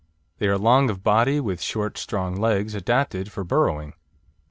They are long of body, with short, strong legs, adapted for burrowing.